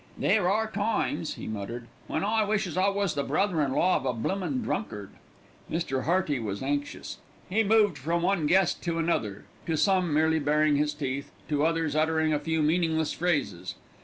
"There are times," he muttered, "when I wishes I was the brother in law of a bloomin' drunkard." Mr. Hearty was anxious. He moved from one guest to another, to some merely baring his teeth, to others uttering a few meaningless phrases.